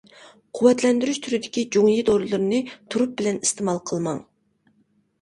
قۇۋۋەتلەندۈرۈش تۈرىدىكى جۇڭيى دورىلىرىنى تۇرۇپ بىلەن بىللە ئىستېمال قىلماڭ.